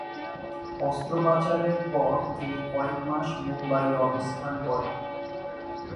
অস্ত্রোপচারের পর তিনি কয়েক মাস মুম্বাইয়ে অবস্থান করেন।